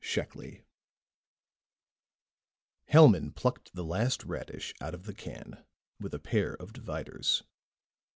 Hellman plucked the last radish out of the can with a pair of dividers.